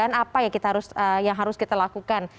dan apa yang harus kita lakukan